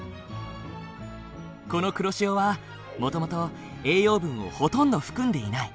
この黒潮はもともと栄養分をほとんど含んでいない。